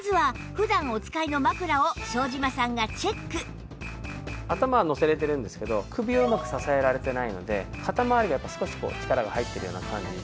まずは頭はのせられてるんですけど首をうまく支えられていないので肩まわりがやっぱり少しこう力が入っているような感じ。